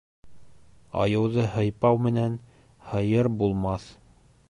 Айыуҙы һыйпау менән, һыйыр булмаҫ.